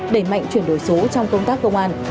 đẩy mạnh chuyển đổi số trong công tác công an